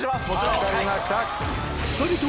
分かりました。